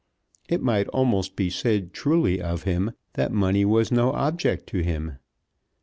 It might almost be said truly of him that money was no object to him.